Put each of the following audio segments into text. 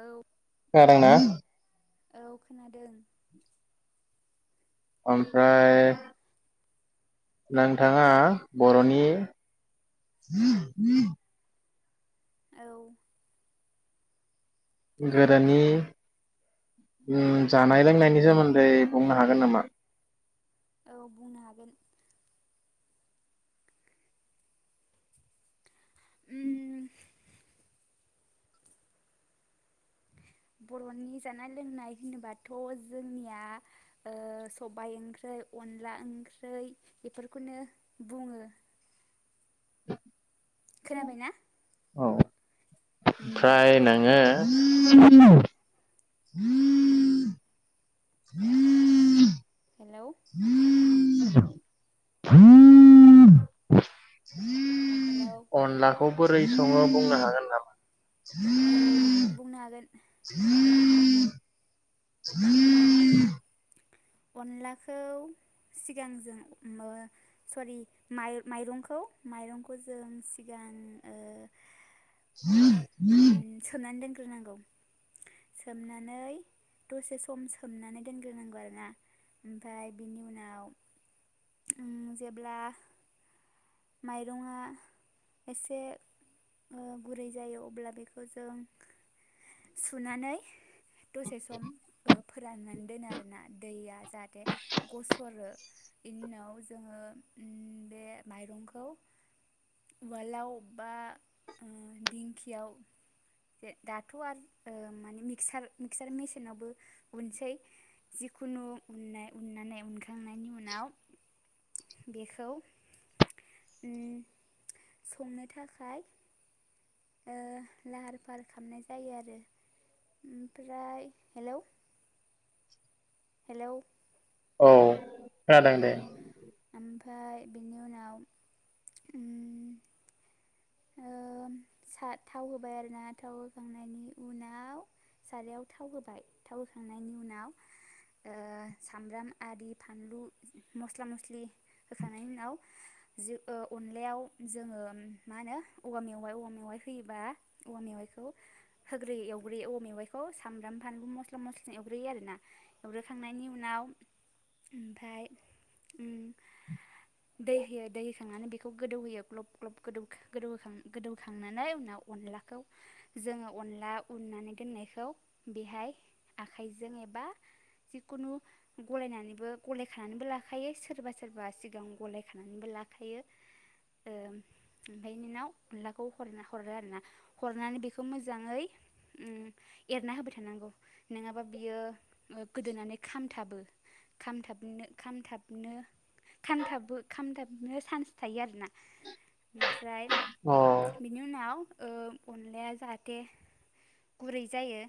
औ खोनादोंना औ खोनादों ओमफ्राय नोंथाङा बरनि औ हेलौ [unintelligible] दानि ओ जानाय लोंनायनि सोमोन्दै बुंनो हागोन नामा औ बुंनो हागोन उम बरनि जानाय लोंनाय होनोबाथ जोंनिया ओ सबाय ओंख्रि अनला ओंख्रै एफोरखौनो बुङो [unintelligible] खोनाबाय ना औ ओमफ्राय नोङो हेलौ [unintelligible] [unintelligible] [unintelligible] हेलौ अनलाखौ बोरै सङो बुंनो हागोन नामा? औ बुंनो हागोन। उम अनलाखौ सिगां जों माबा सरि माइ माइरंखौ माइरंखौ जों सिगां ओ [unintelligible] ग्रोनांगौ सोमनानै दसे सम सोमनानै दोनग्रोनांगौ आरोना ओमफाय बिनि उनाव उम जेब्ला माइरङआ एसे ओ गुरै जायो अब्ला बेखौ जों सुनानै दसे सम ओ फोराननानै दोनो आरोना दैआ जाहाथे गसरो इनि उनाव जोङो उम बे माइरंखौ उवालाव बा ओ दिंखियाव दे दाथ' आरो माने मिक्सार मिक्सार मेसिनावबो उनसै जि खुनु उन्नाय उन्नानै उन खांनायनि उनाव बेखौ उम संनो थाखाय ओ लाहार फाहार खामनाय जायो आरो ओमफ्राय हेलौ हेलौ औ खोनादों दे उम ओमफ्राय बेनि उनाव उम ओम सा थाव होबाय आरोना थाव होखांनायनि उनाव सारायाव थाव होबाय थाव होखांनायनि उनाव ओ सामब्राम आरि फानलु मस्ला मस्लि होखांनायनि उनाव जि‌ ओ अनलायाव जोङो मा होनो औवा मेवाइ औवा मेवाइ होयोबा औवा मेवाइखौ होग्रोयो एवग्रोयो औवा मेवाइखौ सामब्राम फानलु मस्ला मस्लि एवग्रोयो आरोना एवग्रोखांनायनि उनाव ओमफ्राय उम दै होयो दै होखांनानै बेखौ गोदौहोयो ग्लब ग्लबौ गोदौखांनानै उनाव अनलाखौ जोङो अनला उननानै दोननायखौ बेहाय आखाइजों एबा जिखुनु गलायनानैबो गलाय खानानैबो लाखायो सोरबा सोरबा सिगां गलाय खानानैबो लाखायो ओ ओमफ्राय बिनाव अनलाखौ ह हरो आरोना हरनानै बेखौ मोजाङै उम एरना होबाय थानांगौ नङाबा बियो गोदोनानै खामथाबो खामथाब नो खामथाबनो खामथाबो खामथाबनो सान्स थायो आरोना ओमफ्राय बिनि उनाव ओ अनलाया जाहाथे गुरै जायो,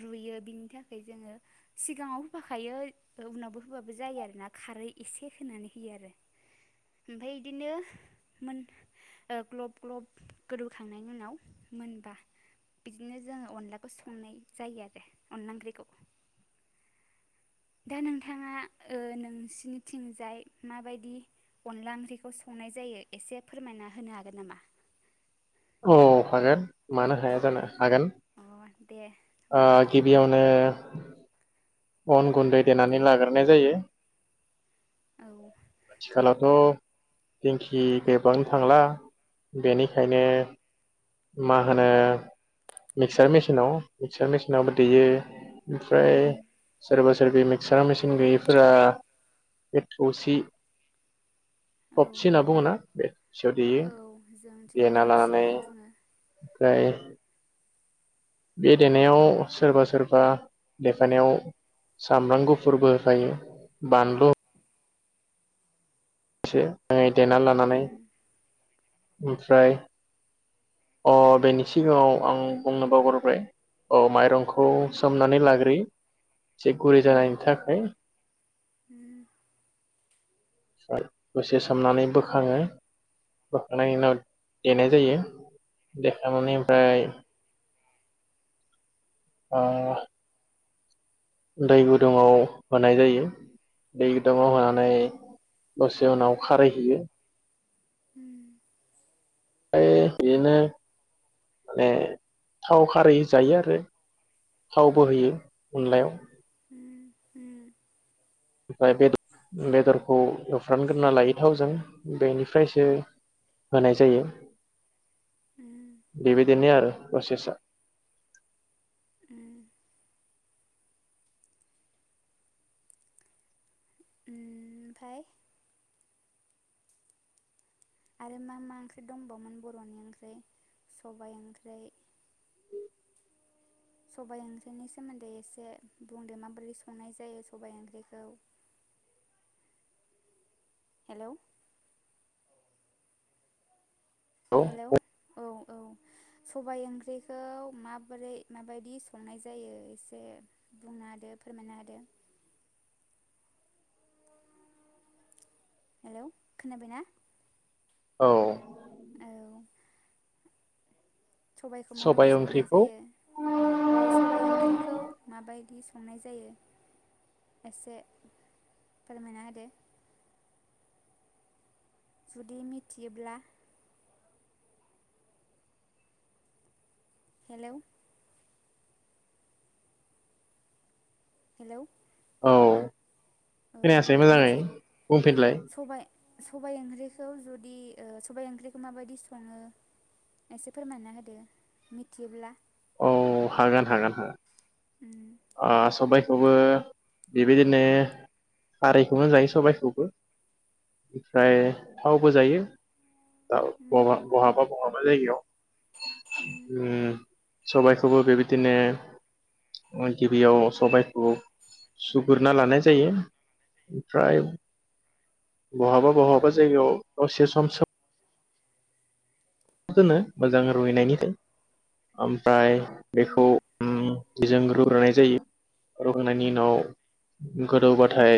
रुयो बिनि थाखाय जोङो सिगाङाव होफाखायो उनावबो होफ बो जायो आरोना खारै इसे होनानै होयो आरो ओमफ्राय बिदिनो, मोन ग्लब ग्लब गोदौखांनायनि उनाव मोनबा बिदिनो जोङो अनलाखौ संनाय जायो आरो अनलाइननि ओंख्रिखौ दा नोंथाङा ओ नोंसिनिथिंजाय माबायदि अनला ओंख्रिखौ संनाय जायो एसे फोरमायना होनो हागोन नामा? औ हागोन। मानो हाया जानो? हागोन अ दे ओ होमबा गिबियावनो अन गुन्दै देनानै लाग्रोनाय जायो। औ आथिखालावथ' दिंखि देबां थांला बेनिखायनो मा होनो मिक्सार मेसिनाव मिक्चार मेसिनावबो दैयो। ओमफ्राय उम सोरबा सोरबि मिक्सार मेसि न गैयिफोरा एथौसि। औ थबसि होनना बुङोना? बे थबसि आव देयो औ जोंथिं देना थौसि लानानै। होननानै बुङो ओफ्राय बे देनायाव सोरबा सोरबा देफानायाव सामब्राम गुफुरबो होफायो बानलु एसेङै देना लानानै ओमफ्राय अ बेनि सिगाङाव आं बुंनो बावगरोबबाय अ माइरंखौ सोमनानै लाग्रोयो एसे गुरै जानायनि उम थाखाय। दसे सोमनानै बोखाङो बोखांनायनि उनाव देनाय जायो। देखांनानै ओमफ्राय ओ दै गुदुंआव होनाय जायो दै गुदुंआव होनानै दसे उनाव खारै हैयो। [inaudible] ओमफ्राय बिदिनो माने थाव खारै जायो आरो थाव बो होयो। उम अनलायाव। उम ओमफ्राय बे [unintelligible] र बेदरखौ एवफ्रानग्रोना लाय थावजों बेनिफ्रायसो होनाय जायो। उम उम बेबादिनो आरो। फ्रेसा ओम। ओमफाय आरो मा मा ओंख्रि दंबावोमोन बर'नि ओंख्रि सबाय ओंख्रि सबाइ ओंख्रिनि सोमोन्दै एसे बुंदो माबोरै संनाय जायो सबाइ ओंख्रिखौ? हेल' औ हेल' औ औ सबाय ओंख्रिखौ माबोरै माबायदि संनाय जायो एसे बुंनो हादो फोरमायनो हादों। हेल' खोनाबायना औ औ सबाइखौ माबायदि सबाय संनाय ओंख्रिखौ जायो? अ सबाय ओंख्रिखौ माबाय मादि संनाय जायो एसे फोरमायना होदो? जुदि मिथियोब्ला हेलौ हेलौ औ औ खोनायासै मोजाङै मिथियो बुंफिनलाय सबाय सबाय ओंख्रिखौ जुदि सबाय ओंख्रिखौ माबायदि सङो एसे फोरमायना होदो मिथियोब्ला। औ हागोन हागोन हागोन। उम अ सबाय खौबो बेबायदिनो खारैखौनो जायो सबायखौबो ओमफ्राय थावबो जायो। दा उम बहा बहाबा बहा जायगायाव उम ओम सबायाइखौबो बेबायदिनो गिबियाव सबाइखौ सुगुरना लानाय जायो। ओमफ्राय बहाबा बहाबा जायगायाव दसे सम सोमन ना दोननो मोजां रुइनायनि ओमफ्राय उम बेखौ उम जोंङो रुग्रोनाय जायो रुग्रोनायनि उनाव गोदौबाथाय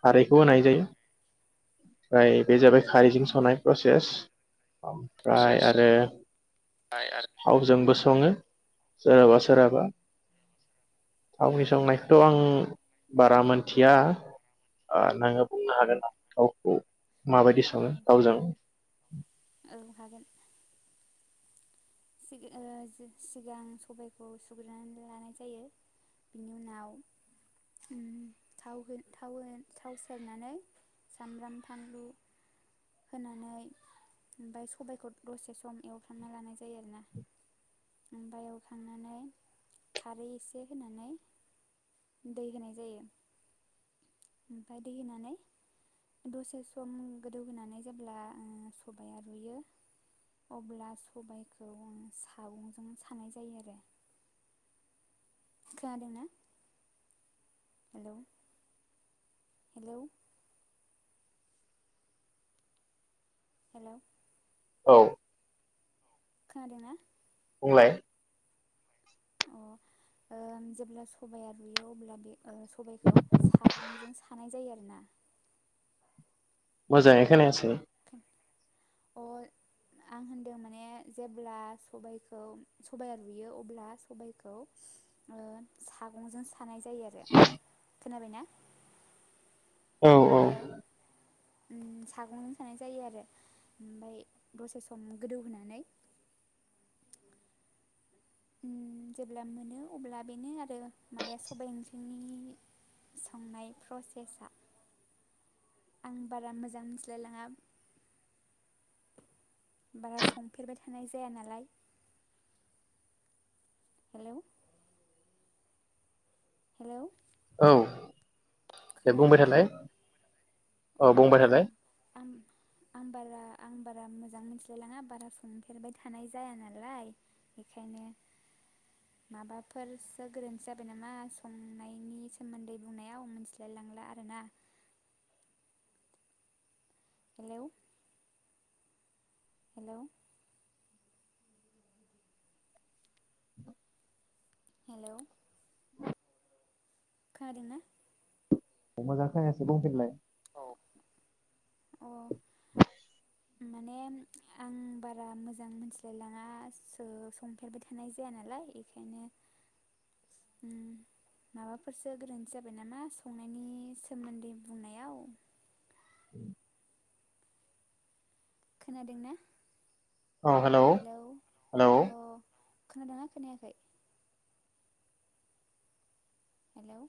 खारैखौ होनाय जायो ओमफ्राय बे जाबाय खारैजों उम संनाय प्रसेस। औ फ्राय प्रसेस आरो आय थावजोंबो सो सङो सोरहाबा सोरहाबा आरो थावनि उम संनायखोथ' आं बारा मोनथिया ओ नोङो बुंनो हागोन आ थावखौ माबायदि औ सङो थावजों औ हागोन सिग ओ सि-सिगां सबायखौ सुग्रोनानै लानाय जायो बेनि उनाव उम थाव हो थाव हो थाव सेरनानै सामब्राम फानलु होनानै ओमफ्राय सबायखौ दसे सम एवफ्रांना लानाय जा जायो आरोना ओमफ्राय एवखांनानै खारै एसे होनानै दै होनाय जायो। ओमफ्राय दै होनानै दसे सम गोदौ होनानै जेब्ला ओ सबायआ रुयो अब्ला सबायाइखौ आं सागंजों सानाय जायो आरो। खोनादोंना हेल' हेल' हेलौ औ खोनादों ना? बुंलाय अ ओम जेब्ला सबाया रुयो अब्ला बे ओ सबायखौ सा गंजों सानाय जायो आरोना। मोजाङै खोनायासै। अ आं होनदों माने जेब्ला सबायखौ सबाइआ रुयो अब्ला सबायखौ ओ सागंजों सानाय जायो। आरो खोनाबायना? औ औ हेल' उम सागंजों सानाय जायो आरो ओमफ्राय दसे सम गोदौहोनानै उम जेब्ला मोनो अब्ला बेनो आरो माबाया सबाइ ओंख्रिनि संनाय प्रसेसआ। आं बारा मोजां मिथिलायलाङा बारा संफेरबाय थानाय जाया नालाय। हेल' हेल' औ दे बुंबाय थालाय अ औ बुंबाय आं थालाय आं आंबारा आंबा बारा मोजां मिथिलायलाङा बारा संफेरबाय थानाय जाया नालाय बेखायनो माबाफोरसो गोरोन्थि जाबाय नामा संनायनि सोमोन्दै बुंनायाव मिथिलायलांला आरोना। हेलौ हेल' हेल' खोनादोंना? अ मोजां खोनायासै बुंफिनलाय अ अ माने आं बारा मोजां मोनथिलायलाङा सो संफेरबाय थानाय जाया नालाय बेखायनो। ओम माबाफोरसो गोरोन्थि जाबाय नामा संनायनि सोमोन्दै बुंनायाव खोनादोंना औ हेल हेलौ हेल अ खोनादोंना खोनायाखै? हेल